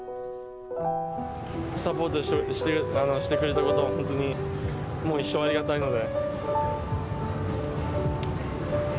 サポートしてくれたことは、本当にもう一生ありがたいので。